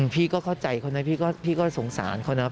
พี่ก็เข้าใจเขานะพี่ก็สงสารเขานะ